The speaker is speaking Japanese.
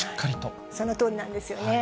そのとおりなんですよね。